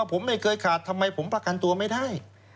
ผมไม่เคยขาดทำไมผมประกันตัวไม่ได้